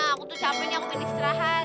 aku tuh capek nih aku pengen istirahat